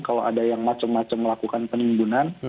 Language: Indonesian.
kalau ada yang macem macem melakukan penimbunan